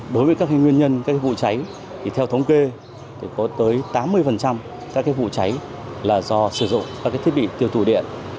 đối với các nguyên nhân các vụ cháy thì theo thống kê thì có tới tám mươi các cái vụ cháy là do sử dụng các cái thiết bị tiêu thủ điện